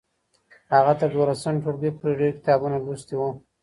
هغه تر دولسم ټولګي پورې ډیر کتابونه لوستي وو.